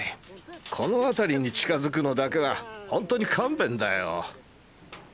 この辺りに近づくのだけはほんとに勘弁だよ。